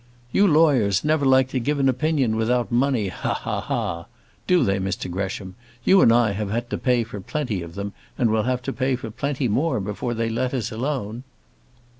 "You lawyers never like to give an opinion without money, ha! ha! ha! Do they, Mr Gresham? You and I have had to pay for plenty of them, and will have to pay for plenty more before they let us alone."